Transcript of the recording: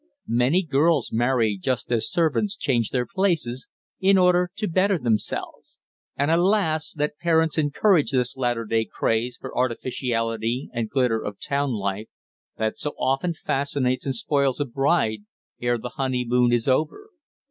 Many girls marry just as servants change their places in order "to better themselves;" and alas! that parents encourage this latter day craze for artificiality and glitter of town life that so often fascinates and spoils a bride ere the honeymoon is over.